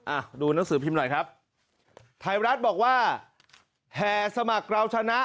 อ่ะดูหนังสือพิมพ์หน่อยครับไทยรัฐบอกว่าแห่สมัครเราชนะ